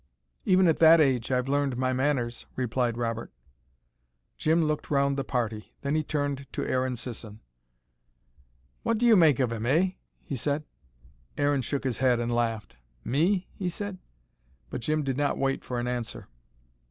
"Even at that age, I've learned my manners," replied Robert. Jim looked round the party. Then he turned to Aaron Sisson. "What do you make of 'em, eh?" he said. Aaron shook his head, and laughed. "Me?" he said. But Jim did not wait for an answer.